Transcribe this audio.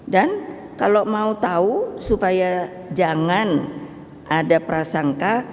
dan kalau mau tahu supaya jangan ada prasangka